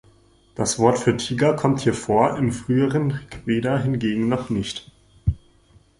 Das Wort für Tiger kommt hier vor, im früheren Rigveda hingegen noch nicht.